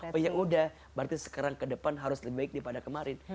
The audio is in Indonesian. berarti sekarang ke depan harus lebih baik daripada kemarin